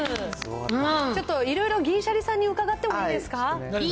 ちょっといろいろ、銀シャリさんに伺ってもいいですか？